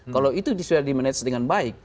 kalau itu sudah di manage dengan baik